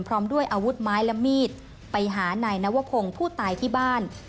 พร้อมด้วยอาวุธไม้และมีดไปหานายนวพงศ์ผู้ตายที่บ้าน